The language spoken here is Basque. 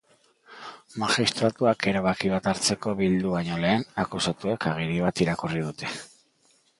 Magistratuak erabaki bat hartzeko bildu baino lehen, akusatuek agiri bat irakurri dute.